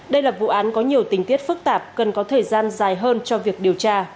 đây là vụ án có nhiều tình tiết phức tạp cần có thời gian dài hơn cho việc điều tra